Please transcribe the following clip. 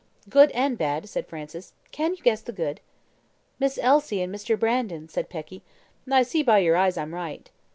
"Good and bad," said Francis; "can you guess the good?" "Miss Elsie and Mr. Brandon," said Peggy. "I see by your eyes I'm right."